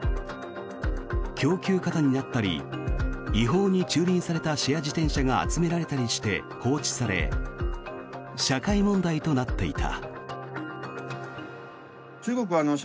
供給過多になったり違法に駐輪されたシェア自転車が集められたりして、放置され社会問題となっていた。